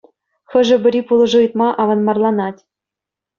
Хӑшӗ-пӗри пулӑшу ыйтма аванмарланать.